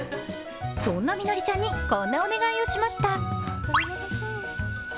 そんな実紀ちゃんにこんなお願いをしました。